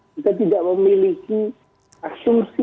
kita tidak memiliki asumsi